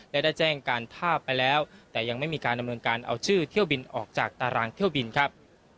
และได้แจ้งการท่าไปแล้วแต่ยังไม่มีการดำเนินการเอาชื่อเที่ยวบินออกจากตารางเที่ยวบินครับ